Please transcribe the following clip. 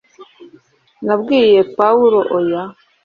nabwiye pawulo oya